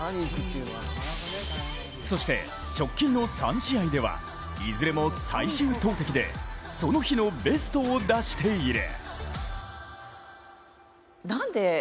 そして直近の３試合では、いずれも最終投てきでその日のベストを出している。